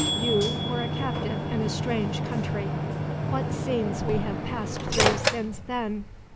You were a captive in a strange country. What scenes we have passed through since then!